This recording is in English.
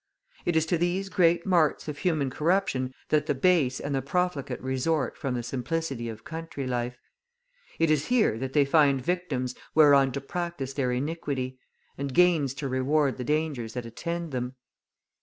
It is to these great marts of human corruption that the base and the profligate resort from the simplicity of country life; it is here that they find victims whereon to practise their iniquity, and gains to reward the dangers that attend them.